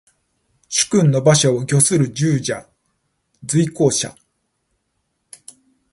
主君の車馬を御する従者。随行者。